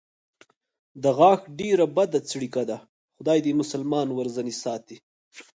د غاښ ډېره بده څړیکه ده، خدای دې مسلمان ورځنې ساتي.